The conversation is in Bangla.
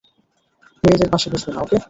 মেয়েদের পাশে বসবে না, ওকে?